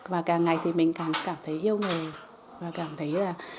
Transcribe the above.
và càng ngày thì mình cảm thấy yêu nghề và cảm thấy là